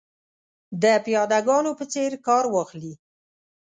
د پیاده ګانو په څېر کار واخلي.